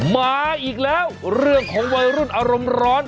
มาอีกแล้วเรื่องของวัยรุ่นอารมณ์ร้อน